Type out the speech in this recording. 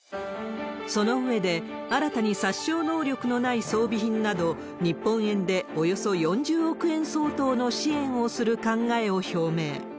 その上で、新たに殺傷能力のない装備品など、日本円でおよそ４０億円相当の支援をする考えを表明。